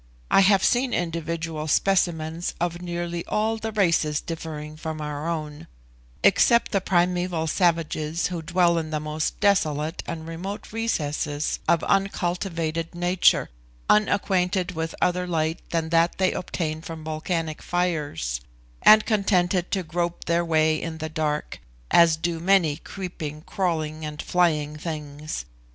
I have seen individual specimens of nearly all the races differing from our own, except the primeval savages who dwell in the most desolate and remote recesses of uncultivated nature, unacquainted with other light than that they obtain from volcanic fires, and contented to grope their way in the dark, as do many creeping, crawling and flying things.